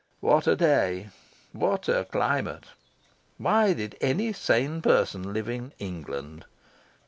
What a day! What a climate! Why did any sane person live in England?